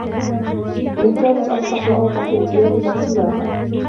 وَإِنْ كَانَتْ أَفْصَحَ وَأَوْضَحَ لِاعْتِيَادِ مَا سِوَاهَا